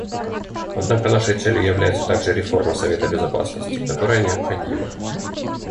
Однако нашей целью является также реформа Совета Безопасности, которая необходима.